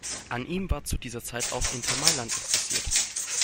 An ihm war zu dieser Zeit auch Inter Mailand interessiert.